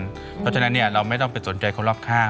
เพราะฉะนั้นเราไม่ต้องไปสนใจคนรอบข้าง